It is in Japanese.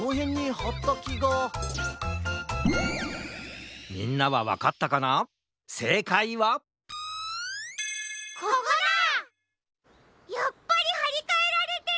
やっぱりはりかえられてる！